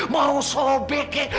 mau sobek kek